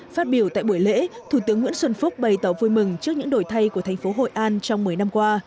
phát biểu tại buổi lễ thủ tướng nguyễn xuân phúc bày tỏ vui mừng trước những đổi thay của thành phố hội an trong một mươi năm qua